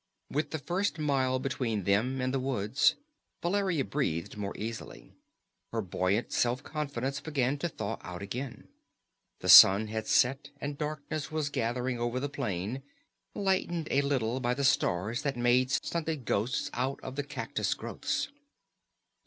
With the first mile between them and the woods, Valeria breathed more easily. Her buoyant self confidence began to thaw out again. The sun had set and darkness was gathering over the plain, lightened a little by the stars that made stunted ghosts out of the cactus growths.